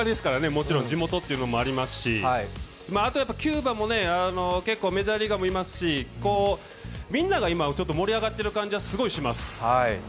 もちろん地元っていうのもありますし、あとキューバも結構メジャーリーガーもいますしみんなが今、盛り上がっている感じはすごいします。